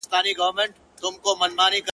• کليوال خلک د موضوع په اړه ډيري خبري کوي..